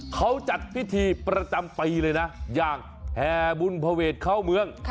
เขาจัดพิธีประจำปีเลยนะอย่างแห่บุญภเวทเข้าเมือง